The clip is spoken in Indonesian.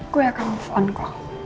gue akan berubah